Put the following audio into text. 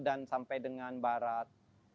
dan sampai dengan barat